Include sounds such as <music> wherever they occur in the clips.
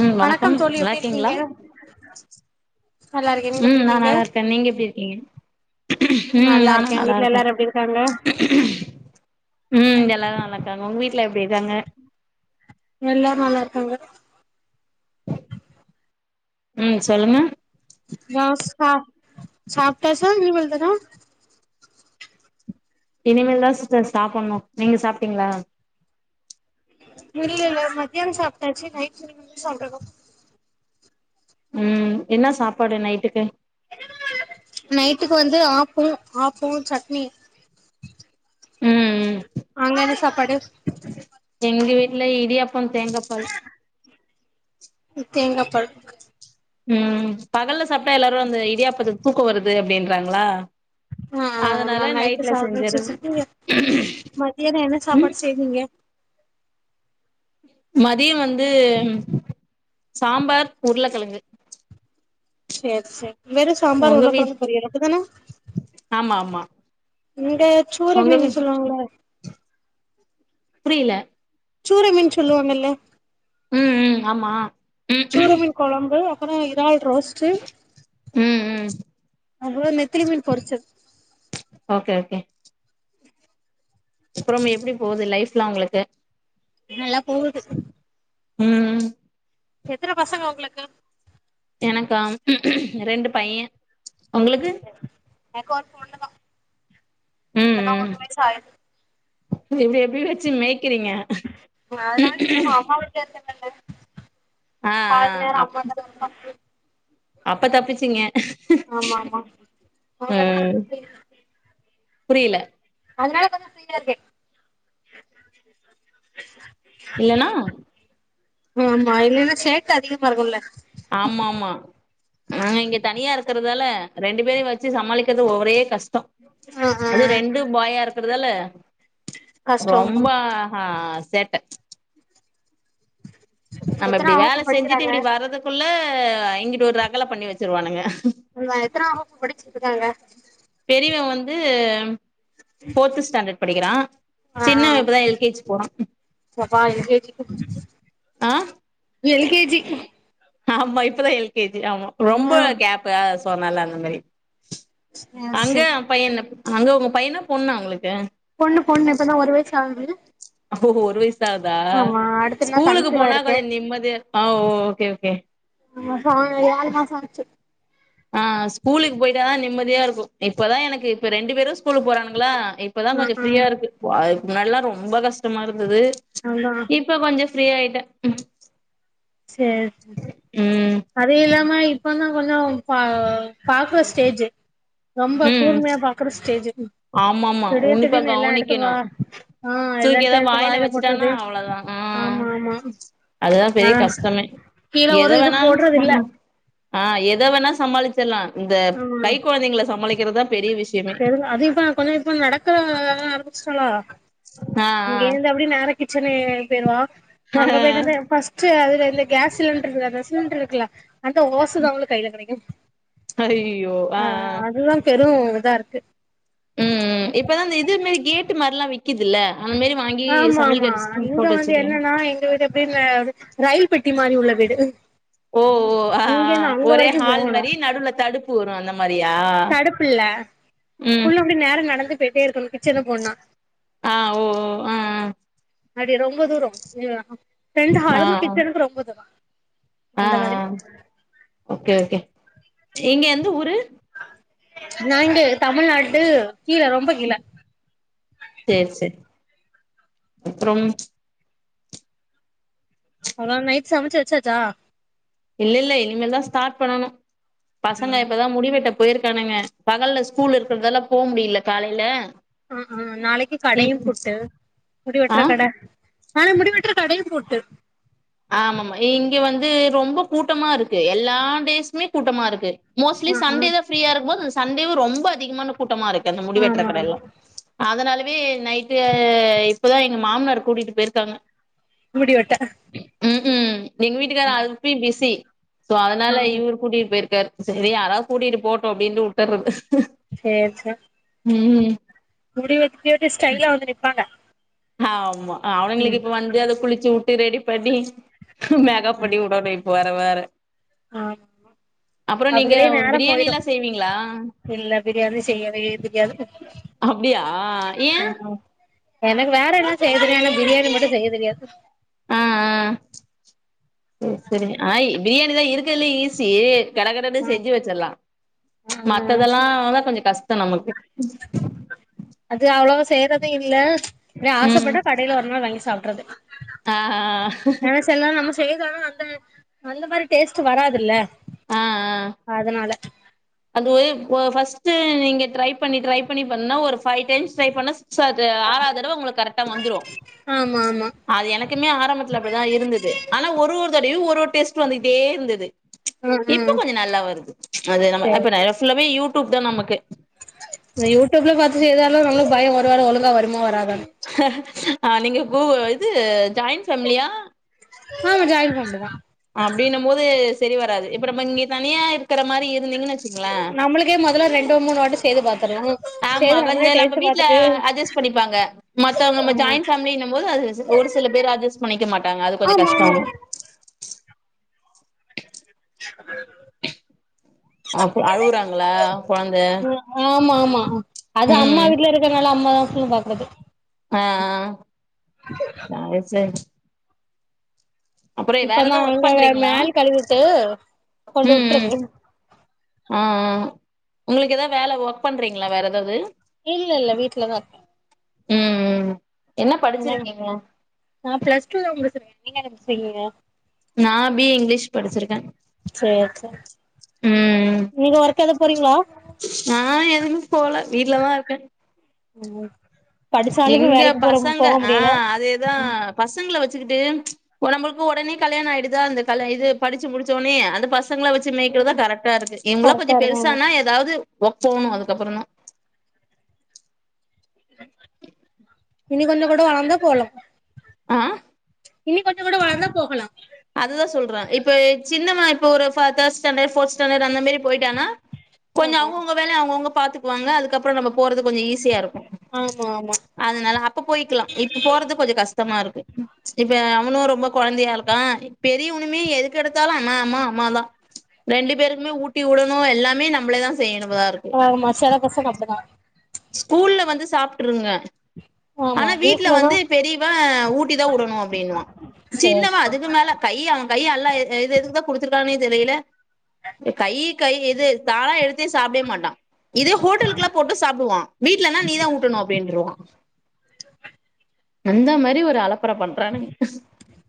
ம் வணக்கம் தோழி எப்டி நல்லாருக்கீங்ளா? இருக்கீங்க நல்லா இருக்கே நீங்க எப்டி ம் நா இருக்கீங்க நல்லாருக்கே நீங்க எப்டி இருக்கீங்க ம் நல்லா நானு இருக்கே வீட்ல நல்லாருக்கே எல்லாரு எப்டி இருக்காங்க ம் எல்லாரு நல்லாருக்காங்க ஒங்க வீட் ல எப்டி இருக்காங்க? ககாங்க ம் சொல்லுங்க <unintelligible> சாப்டாச்சா இனிமேல் தானா இனிமேல் தா சிஸ்டர் சாப்புண்ணு நீங்க சாப்டீங்ளா? இல்லெல்ல மத்தியான சாப்டாச்சு நைட்டு இனிமெ சாப்டனு ம் என்ன சாப்பாடு நைட்டுக்கு? நைட்டுக்கு வந்து ஆப்பொ ஆப்பொ சட்னி ம் ம் அங்க என சாப்பாடு? எங்க வீட்ல இடியாப்பம் தேங்காப்பால் தேங்காபால் ம் பகல்ல சாப்டா எல்லாரு அந்த இடியாப்பத்துக் தூக்கொ வருது அப்டின்றாங்களா ஆ அதனால அதுனால நைட்டு நைட்ல சாப்ட வச்சு செஞ்சறது வச்சுருக்கீங்க மதியான என்ன ம் சாப்பாடு செய்வீங்க? மதிய வந்து சாம்பார் உருளக்கெழங்கு செர் செர் வெறு சாம்பார் உங்க வீட் உருளக்கெழங்கு பொரியல் அப்டிதான மா இந்த சூற மீன் சொல்லுவாங்கல புரியில சூற மீன் சொல்லுவாங்கல்ல ம் ம் ஆமா ம் சூற மீன் கொழம்பு அ ப்புற இறால் ரோஸ்ட்டு ம் ம் அப்புறொ நெத்திலி மீன் பொரிச்சது ஓகே அப்றம் எப்டி போது லைஃப்லா உங்களுக்கு நல்லா போகுது ம் எத்தன பசங்க ஒங்களுக்கு? எனக்கா ரெண்டு பைய உங்ளுக்கு? எனக்கு ஒரு பொண்ணுதா இப்ப ம் தா ம் ஒரு வயசு ஆகுது <unintelligible> எப்டி வச்சு மேய் கிறிங்க சண்ட பாதி நேரோ அப் அம்மா <inaudible> அப்ப தப்பிச்சீங்க ஆமாமா அவுங்க என்ன பண்றது புரில அதனால கொஞ்சோ ஃப்ரீயா இருக்க இல்லனா ம் மா இல்லனா சேட்ட அதிகமா இருக்குல ஆம்மாமா நானிங்க தனியா இருக்கறதால ரெண்டு பேரையு வச் சி சமாளிக்கறது ஒ ஒரே கஷ்டோ ஆ ஆ அது ரெண்டு பாயா இருக்கறதால கஷ்டோ ரொம்ப ஹத் சேட்ட நம்ம எத்தனா இப்டி வகுப்பு வேல செஞ்சுட்டு படிக்கிறாங்க இப்டி வர்றதுக்குள்ள அ இங்கிட்டு ஒரு ரகல பண்ணி வச்சருவானுங்க உங்க எத்தனா வகுப் பு படிச்சிட்ருக்காங்க பெரியவ வந்து ஃபோர்த் ஸ்டாண்டர்ட் படிக்கிறா ஆ சின்னவ ஆ இப்ப தா எல் கே ஜி போறா பாப்பா எல் கே ஜி ஆ எல் கே ஜி ஆமா இப்பதா எல் எல் கே ஜி ஆமா ரொம்ப ஆ கேப் அஸ் போமேல அந்த மாி ஆ அங்க செரி பைய என்னப் அங்க உங் பையனா பொண்ணா உங்ளுக்கு பொண்ணு பொண்ணு இப்ப தா ஒரு வயசாவுது ஒரு வயசு அடுத்தன்னா ஸ்கூலுக்கு கன்சிவா போனா இருக்கே கொஞ்ச நிம்மதியா ஓகே ஓகே ஆமா ச ஏழு மாசோ ஆச்சு ஆ ஸ்கூலுக்கு போயிட்டா தா நிம்மதி ஃப்ரியாருக்கும் இப்ப தா எனக்கு இப்ப ரெண்டுப் பெரும் ஸ்கூலுக் போறான்களா இப்ப தா ஆ கொஞ்சோ ஆ ஃப்ரீயாருக்கு முன்னெல்லா ரொம்ப கஷ்டமா இருக் இருந்தது அதா இப்ப கொஞ்ச ஃப்ரீ ஆகிட்ட ம் சேரி அது இல்லாம இப்ப நா கொஞ்ச பா பாக்குற ஸ்டேஜ் ரொம்ப கூர்மையா பாக்குறஸ்டேஜ் ஆமா ஆமாம உன்னிப்பா கவனிக்கணுண்ட வா ஆ எல்லா தூக்கி எதா இடத்த எடுத்து வாயில வச்சுட்டானா போட்டுறது அவ்ளோதா ஆ ஆமா ஆமா அதா ஆ பெரிய கஷ்டமே கீழ எத ஒரு இது வேணாலு போடுறது இல்ல ஆமா ஆ எத வேணா சமாளிச்சிட்லா இந்த ஆமா கை கொழந்தைங்கள சமாளிக் கிறத பெரிய விஷியமே கொஞ்ச இப்ப நடக்க ஆரம்பிஸ்டாளா ஆ ஆ போய்டுவா அங்கபோய் என்னது பஸ்ட் அது எ இந்த கேஸ் சிலிண்ட்ரத சிலிண்ட்ரு இருக்குலா அந்த ஓசதாவங்களுக்கு கைல கிடைக்கு ஆ அதுதா பெரும் இதாருக்கு க ம் ம் இப்பதா இந்த இது மேரி கேட்டு மாரிலா விக்குதில்ல ஆமா ஆமா இங்க வந்து வச்சுக்கலாங் என்னன்னா எங்க வீட்டு எப்டினு ரயில்பெட்டி மாரி உள்ள வீடு ஓ ஓ ஆ இங்க ஆ இருந்து அங்க ஒரே ஹால் மாரி நடுவுல தடுப்பு வரும் அந்த மா தடுப்பில்ல ம் புள்ள அப்டியே நேரா நடந்தே துட்டே இருக்கு கிச்சனுகு போனா ஆ ஓ ஓ ஆ ஆ அடியே ரொம்ப தூரோ ரெண்டு ஆ ஆ ஆளு கிச்சனுக்கு ரொம்பதுா ஆ ஆ ஓக்கே ஓக்கே இங்க எந்த ஊரு நாங்கு தமிழ்நாட்டு கீழ ரொம்ப கீழ அப்புறோ அப்புறோ நைட் சமச்சி வெச்சாச்சா இல்ல இல்ல இனிமேதா ஸ்டார்ட் பண்ணணு பசங்க இப்பதா முடி வெட்டப் போயிருக்கானுங்க பகல்ல ஸ்கூல் இருக்குர்தாலபோ முடியல காலையில ஆ ஆ நாளைகி கடையு இப் புட்டு முடி ஆ வெட்றகட ஆ முடிவெட்டற கடையு பூட்டு ஆமாமா இங்க வந்து ரொம்ப கூட்டமா இருக்கு எல்லா டேஸுமே கூட்டமா இருக்கு மோஸ்லி ஆ ஆ சண்டேதா ஃபிரீயா இரு போதுஸ் சண்டேவு ரொம்ப அதிகமான கூட்டமா இருக் க்கு அந்த முடி ஆமா வெட்டற ஆமா கடயெல்லா அதனாலவே நைட்டு இப்பதா எங்க மாமனார் கூட்டிட்டு போயிருக்காங்க முடி வெட்ட ம் ம் நீங்க வீட்டுக்கார அழுப்பி பிசி சோ ஆ அதனால இவ்ர் கூட்டிட்டு போயிருக்கார் சேரி யாராது கூட்டிட்டு போட்டோ அப்பிடின்னுட்டு விட்டர்றது சேர் சே ம் முடி வெ டியோட்டு ஸ்டைலா வந்து நிப்பாங்க ஆ ஆமா ஆ அவனுங்களுக்கு ம் இப்ப வந்து அத குளிச்சு ட்டு ரெடி பண்ணி மேகப் பண்ணிவுடன்னுப்வ இவ வேற ஆ அப்புறோ நீங்க அபுதுரே நேரோ போயிரு பிரியாணில்லா செய்வீங்களா இல்ல பிரியாணி செய்யாவே தெரியாது அப்டியா ஏன் ஆ எனக்கு வேற என்ன செய்ய தெரியு பிரியாணி மட்டு செய்ய தெரியாது ஆஆ சே -சேரி ஆ பிரியாணிதா இருக்குல் ஈஸி கடக்கடனு செஞ்சிவச்சரலா ஆ மத்ததெல்லா <unintelligible> கொஞ்சோ கஷ் த்த நமக்கு அது அவ்ளவா செய்யறது இல்ல எதோ ம் ஆசப்பட்டா கடைல ஒரு நாள் வாங்கி சாப் ட்றது ஆ ஆ றது ஆனா அந்த அந்த மாரி டேஸ்ட் ச்சு வராதில்ல ஆ ஆ அதனால அது ஒ ஃபஸ்ட்டு நீங்க ட்ரை பண்ணி ட்ரை பண்ணி பண்ணா ஒரு ஃபைவ் டைம்ஸ் ட்ரை பண்ணா சோ அது ஆறாவது தடவ உங்களுக்கு கரெக்டா வந்துரு ஆமா ஆமா அது எனக்குமே ஆரம்பத்துல அப்பிடிதா இருந்தது ஆனா ஒரு ஒரு தடவயு ஒரு ஒரு டெஸ்ட் வந்துக்கிட்டே இருந்துது ஆ ஆ இப்ப கொஞ்ச நல்லா வருது அது நம்ம அ இப்ப நா சொன்ன மாரி யூ டூப்தா நமக்கு அது யூடியூப்ல பாத்து செய்தாலு நம்மளுக்கு பயோ ஒருபாடு ஒழுங்கா வருமோ வராதோன்னு அஹ ஆ நீங்க கூ இது ஜாயிண்ட் ஃபேமிலியா ஆமா ஜாயிண்ட் ஃபேமிலிதா அப்டின்னும்போது செரி வராது இப்ப நம்ம இங்க தனியா இருக்கற மாரி இ நம்மளுக்கே மொதல்ல ரெண்டு மூணு வாட்டி செய்து பாத்துர்லா ஆமா செய்து நம்மளே கொஞ்சோ நம்ப டேஸ்ட் வீட்ல பாத்துட்டு அட்ஜஸ் பண்ணிப்பாங்க மத்தவங்க நம்ம ஜாயின் ஃபேமிலின்னும் போது அது ஒரு சில பேரு அட்ஜஸ்ட் பண்ணிக்க மாட்டாங்க அது கொஞ்ச ஆமா ஆமா கஷ்டோ <inaudible> அப் அழுவுறாங்களா கொழந்த ஆ ஆ அது அம்மா ம் வீட்ல இருக்கறனால அம் லாஸ்ட்ல பாக்கறது ஆ ஆ சரி சரி அப்புறோ வேற இப்பந்தா ஏதோ ஒர்க் அங்க பண்றீங்களா மேல் கழுவிவுட்டு கொண்டு ம் ம் விட்ருவே ஆ ஆ உங்களுக்கு ஏதாவது வேல ஒர்க் பண்றீங்களா வேற எதாவது இல்லெல்ல வீட்லதா இருக்கே ம் ம் என்ன அதா படிச்சிருக்கீங்க அதா நா பிளஸ் டூ தா முடிச்சிருக்கே நீங்க என்ன முடிச்சிருக்கீங்க? நா பி எ இங்கிலீஷ் படிச்சிருக்கே சேரி சேரி ம் நீங்க ஒர்க் எது போறீங்களா நா எதுமே போல வீட்லதா இருக்கே ஓ எங்க பசங்க ஆ முடியல அதேதா பசங்கள வச் சுகிட்டு ஒ நம்பளுக்கு ஒடனே கல்யாண ஆயிடுதா அந்த கல இது படுச்சு முடுச்சோனே அந்த ப சங்கள வச்சி மேய்கிறதா கரெக்டா இருக்கு இவுங்களா கொஞ்ச கரெக்டா இருக்காமா பெருசானா எதாவுது ஒர்க் போனு அதுக்கப்புறந்தா இன்னு கொஞ்ச கூட வளந்தா போலா ஆ இன்னி கொஞ்ச கூட வளந்தா போகலா அதுதா சொல்றே இப்ப சின்னவ இப்ப ஒரு ஃப தேர்ட் ஸ்டாண்டர்ட் ஃபோர்த் ஸ்டாண்டர் அந்த மாரி போயிட்டானா கொஞ்சொ ஆமா அவுங்கவுங்க வேல அவுங்கவுங்க பாத்துக்குவாங்க அதுக்கப்றோ நம்ம போறது கொஞ்ச ஈஸியா இருக்கு ஆமா ஆமா அதுனால அப்ப போய்க்கலா இப்பொ போறது கொஞ்ச கஷ்டமா இரு க்கு இப்ப அவனு ரொம்ப கொழந்தையா இரு க்கா பெரியவனுமே எதுக்கெடுத்தாலு அ ம்மா அம்மா அம்மா தா ரெண்டு பேருக்குமே ஊட்டி வுடனு எல்லாமே நம்மளே தா செய்யணுதா இருக்கு ஆமா செல பசங்க அப்டிதா ஸ்கூல்ல வந்து சாப்ட்ருங்க ஆமா ஆனா வீட்ல வீட்லதா வந்து பெரியவ ஊட்டிதா வுடணு அப்டின்னுவா சேரி சின்னவ சேரி அதுக்கு மேல கை அவ கை அல்லா எது எதுக்குதா குடுத்துருக்கான்னே தெரியில கை கை இது தானா எடுத் து சாப்டவே மாட்டா இதே ஹோட்டலுக்லா போட்டு சாப்டுவா வீட்லனா நீதா ஊட்டணு அப்டின்ருவா அந்த மாரி ஒரு அல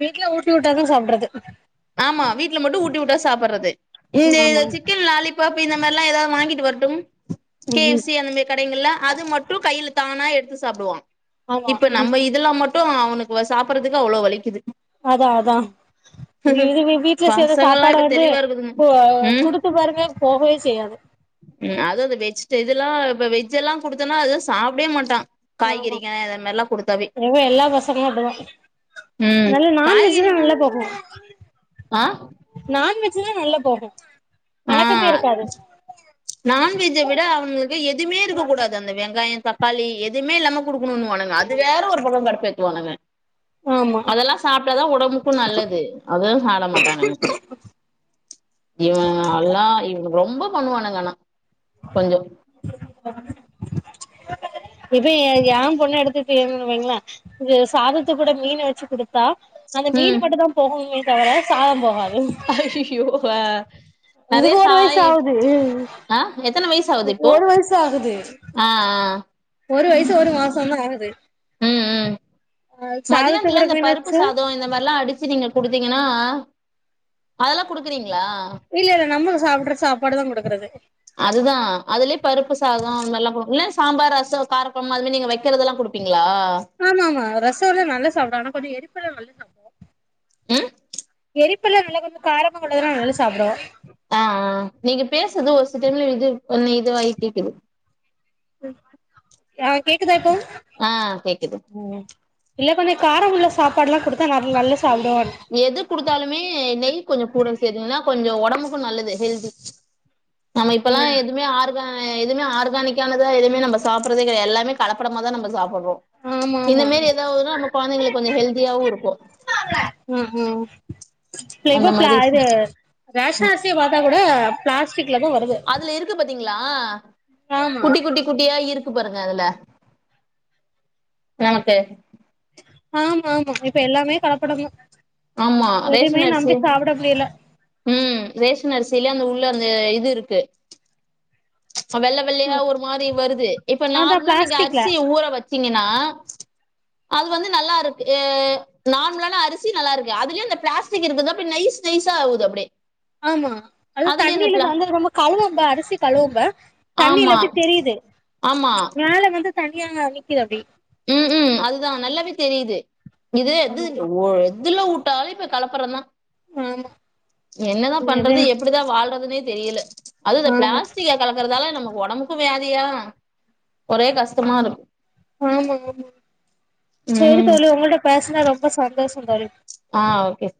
வீட்ல ஊட்டி உட்டாதா சாப்புட்றது ஆமா வீட்ல மட்டு ஊட்டி வுட்டா சாப்புர்றது இந்த இது ஆமா சிக்கன் லாலிபப் இப்ப இந்தமாரில எாதாவது வாங்கிட்டு வரட்டு கே ம் சி அந்த மாதி கடைகள்ல அது மட்டும் கையில தானா எடு எடுத்து சாப்பிடுவா ஆமா இப்ப ம் நம்ம இதெல்லா மட் மட்ட அவனுக்கு சாப்படுறதுக்கு அவ்வளவு வலிக்குது அதா அதா இதுவே வீட்ல செய்ற பசங்கல்லா சாப்பாடு இப்ப வந்து தெளிவா இருக்குதுங்க கு ம் குடுத்து பாருங்க போகவே செய்யாது ம் அது அந்த வெஜ் இதெல்லா இப்ப வெஜ் எல்லா கொடுத்தோனா அததுவு சாப்பிடவே மாட்டோ ஆமா எவோ எல்லா பசங்களு அதுதா ம் நல்ல நான்வெஜ் காய்கறினா நல்லா போகு ஆ நான் வெஜ் சில நல்லா போகு ஆ கணக்கமே இருக்காது நான்வெஜை விட அவங்களுக்கு எதுவுமே இருக்க கூடாது அந்த வெங்காய தக் களி எதுவுமே இல்லாம குடுக்கணும்னு வானுங்க அது வேற ஒரு பக்க கடுப்பேத்துவானுங்க ஆமா அதெல்லா சாப்பிட்டாதா உடம்புக்கு நல்லது அதுவு சாப்ட மாட்டானுங்க இவ நல்லா ரொம்ப பண்ணுவானுங்கானா கொஞ்ச <unintelligible> இ ஏன் பொண்ணு எடுத்துட்டுவைங்களா இ சாதத்து கூட மீனை வச்சு குடுத்தா அந்த மீனு மட்டு தா போகணமே தர சாத போகா அய்யய்யோ ஆ நெறைய இதுக்கு ஒரு வயசு சாய் ஆகுது ஆ எத்தன வயசு ஆகுது இப்போ ஒரு வயசு ஆகுது ஆ ஆ ஒரு வயசு ஒரு மாசந்தா ஆகுது ம் ம் ஆ சாதத்த மதியானத்துல கூட இந்த மீன் பருப்பு வச்சு சாதம் இந்த மாதிரிலா அடிச் அச்சி நீங்க கொடுத்தீங்கன்னா அதெலா கொடுக்குறீங் இல்ல இல்ல நம்மள சாப்ர சாப் அதுதா அதுலயே பருப்பு சாதம் அதுமரி எல்லா கொடுக் மிஸ் சாம்பார் ரசம் கார கொழம்பு அதுமரி நீங்க வைக்கதெல்லா கொடுப்பீங்க ஆமா ஆமா ரசல்லா நல்லா சாப்பிடா ஆனா கொஞ்ச எரிப்பலா நல்ல சாப்பிடுவோ ம் எரிப்பல்ல நல்ல கொஞ்ச காரமாக கொண்டதல்லா நல்லா சாப்டுவோ ஆ ஆ நீங்க பேசர்து ஒரு செகண்டல இது பண்ணி இதுவாகி கேக்குது ஆ கேக்குதா இப்போ ஆ கேக்குது காரம் உள்ள சாப்பாடுல்லா குடுத்தா நல் அது நல்ல எது குடுத்தாலுமே நெய் கொஞ்சோ கூட சேத்திங்கன்னா கொஞ்சோ ஒட்டா ஒடம்புக்கும் நல்லது ஹெல்தி நம்ம இப்பெல்லா எதுமே ஆறு ப்வ எதுவுமே ஆர்கானிக்கானதா எதுவுமே நம்ம சாப்றது கெடயாது எல்லாமே கலப்படமா தா நம்ம சாப்ப பறோம் ஆமா இந்த ஆமா மேரி ஏதாவதுன்னா நம்ம கொழந்தைங்களுக்கு கொஞ்சோ ஹெல்தியாவு இருக்கு ம் ம் பிலவ அந்த மாதிரி பிலர்ர இது ரேஷல்ஸு மறக்க <unintelligible> அவ பிளாஸ்க் கீல் சீட்ல தா வருது ங்ளா ஆமா குட்டி குட்டி குட்டியா இருக்கு உப்பு பாருங்க அதுல <inaudible> ஹேமத்த ஆமா ஆமா இப்ப எல்லாமே கலப்படந்தா ஆமா எதையுமே ரேஷன் அரிசி நம்பி சாப்ட முடியல உம் ரேஷன் அரிசில்ல அந்த உள் த்துவந்து இது இருக்கு வெள்ள வெள்ளையா ஒரு மாரி வருது இப்ப அதா நார்மலா நீங்க பிளாஸ்டிக்ல அரிசிய ஊற வச்சீங்கன்னா அது வந்து நல்லா இருக்கு நார்மலான அரிசி நல்லாருக்கு அதுலயு இந்த பிளாஸ்டிக் இருக்குது அப்டி நைஸ் நைஸா ஆவுது அப்டியே ஆமா அது அதுலயே இந்த தண்ணீல பிளா தான்ந்துது நம்ம கழுவ அரிசி கழுவுங்க தண்ணியில ஆமா அப்டி தெரியுது ஆமா மேல வந்து தனியாங்க நிக்குது அப்டி உம் உம் அதுதா நல்லாவே தெரியுது இது எது எதுல வுட்டாலு கலப்புற தா ஆமா என்னதா அதே பண்றது எப்டிதா வாழ்றதுன்னே தெரியல அதுத ஆமா பிளாஸ்டிக்க கலக்குறதால நம்ம உடம்பக்கு வியாதியா ஒரே கஷ்டமா இருக் ஆமா ஆமா சேரி ம் தோழி உங்கள்ட பேசுனா ரொம்ப சந்தோஷோ தோழி ஆ ஓகே